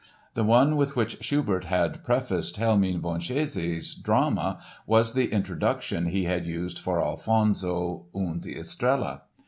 The one with which Schubert had prefaced Helmine von Chezy's drama was the introduction he had used for Alfonso und Estrella.